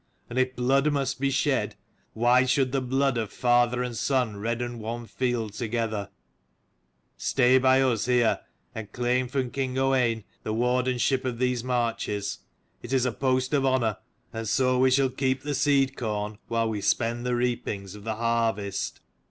And if blood must be shed, why should the blood of father and son redden one field together ? Stay by us here, and claim from king Owain the warden ship of these marches. It is a post of honour. And so we shall keep the seed corn while we 133 spend the reapings of the harvest."